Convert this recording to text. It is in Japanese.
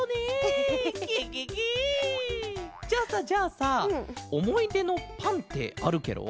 じゃあさじゃあさおもいでのパンってあるケロ？